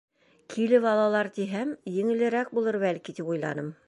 Килеп алалар тиһәм, еңелерәк булыр, бәлки, тип уйланым...